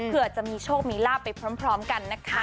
เพื่อจะมีโชคมีลาบไปพร้อมกันนะคะ